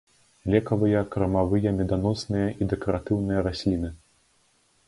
Лекавыя, кармавыя, меданосныя і дэкаратыўныя расліны.